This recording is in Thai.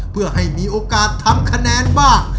เพื่อให้มีโอกาสทำคะแนนบ้าง